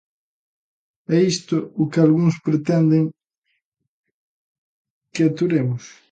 É isto o que algúns pretenden que aturemos?